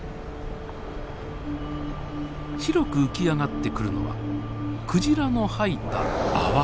白く浮き上がってくるのはクジラの吐いた泡。